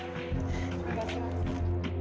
terima kasih mas